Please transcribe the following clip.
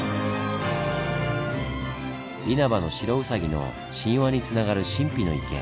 「イナバノシロウサギ」の神話につながる神秘の池。